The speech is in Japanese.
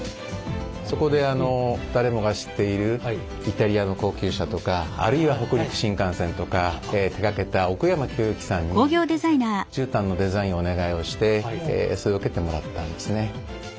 そこで誰もが知っているイタリアの高級車とかあるいは北陸新幹線とか手がけた奥山清行さんに絨毯のデザインをお願いをしてそれを受けてもらったんですね。